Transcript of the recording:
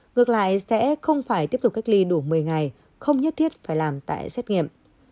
ngược lại sẽ không phải tiếp tục cách ly đủ một mươi ngày không nhất thiết phải làm tại xét nghiệm